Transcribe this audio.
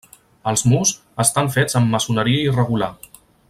Els murs estan fets amb maçoneria irregular.